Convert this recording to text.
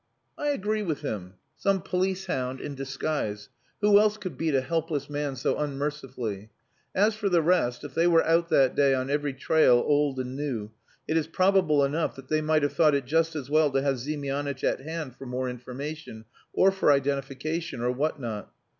"I agree with him. Some police hound in disguise. Who else could beat a helpless man so unmercifully? As for the rest, if they were out that day on every trail, old and new, it is probable enough that they might have thought it just as well to have Ziemianitch at hand for more information, or for identification, or what not.